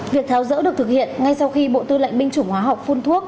việc tháo rỡ được thực hiện ngay sau khi bộ tư lệnh binh chủng hóa học phun thuốc